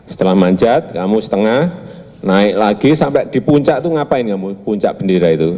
setelah manjat kamu setengah naik lagi sampai di puncak itu ngapain kamu puncak bendera itu